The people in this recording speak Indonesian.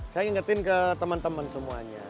saya ingetin ke teman teman semuanya